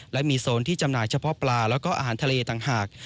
และมีโซนที่จำหน่ายเฉพาะปลาแล้วก็อาหารทะเลต่างหาก